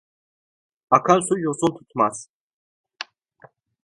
Akan su yosun tutmaz.